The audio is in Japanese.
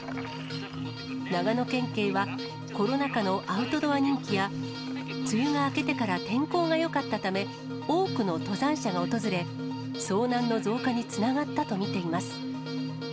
長野県警は、コロナ禍のアウトドア人気や、梅雨が明けてから天候がよかったため、多くの登山者が訪れ、遭難の増加につながったと見ています。